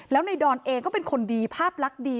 แล้วในดอนเองก็เป็นคนดีภาพลักษณ์ดี